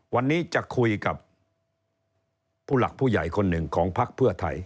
วันนี้จะคุยกับผู้หลักผู้ใหญ่คนหนึ่งของพักเพื่อไทย